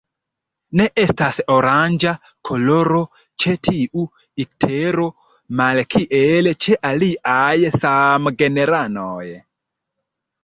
Ne estas oranĝa koloro ĉe tiu iktero, malkiel ĉe aliaj samgenranoj.